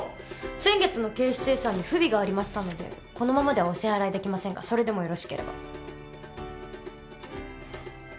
先月の経費精算に不備がありましたのでこのままではお支払いできませんがそれでもよろしければ。